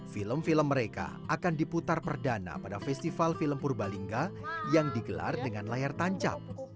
film film mereka akan diputar perdana pada festival film purbalingga yang digelar dengan layar tancap